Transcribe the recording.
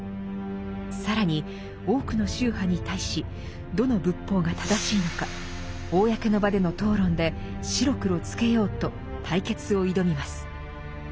更に多くの宗派に対しどの仏法が正しいのか公の場での討論で白黒つけようと対決を挑みます。